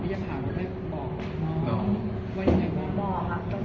บอกครับต้องเห็นแต่ว่าก็คุยกับเขาว่าอยู่ด้วยกันนะหรืออย่างเงี้ย